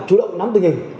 chủ động nắm tình hình